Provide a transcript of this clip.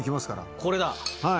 これだ。